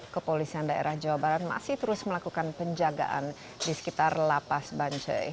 kepolisian daerah jawa barat masih terus melakukan penjagaan di sekitar lapas bancai